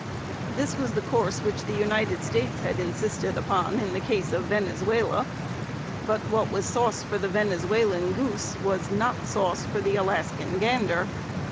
This was the course which the United States had insisted upon in the case of Venezuela, but what was sauce for the Venezuelan goose was not sauce for the Alaskan gander.